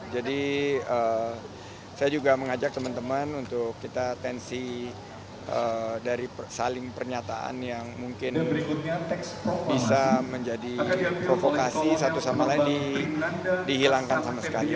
jadi saya juga mengajak teman teman untuk kita tensi dari saling pernyataan yang mungkin bisa menjadi provokasi satu sama lain dihilangkan sama sekali